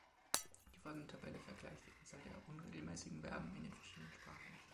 Die folgende Tabelle vergleicht die Anzahl der "unregelmäßigen" Verben in den verschiedenen Sprachen.